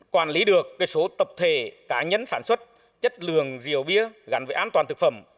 quản lý được số tập thể cá nhân sản xuất chất lượng rượu bia gắn với an toàn thực phẩm